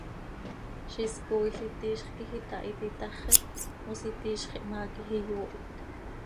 Ziix is cooil iti iizx quij itahit itaxi, mos iti iizx ihmaa quij iyoohit.